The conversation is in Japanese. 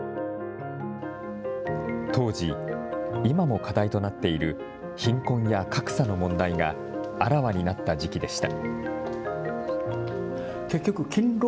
当時、今も課題となっている貧困や格差の問題が、あらわになった時期でした。